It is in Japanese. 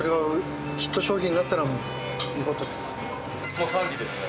もう３時ですね。